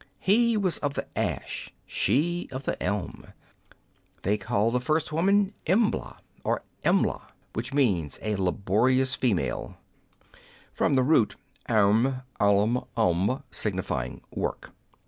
He was of the ash, she of the elm ; they called the first woman Embla, or Emla, which means a laborious female — from the root ainr, ami, ambl, signifying "work."